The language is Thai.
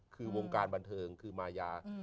คือวงการบันเทิงคือมายา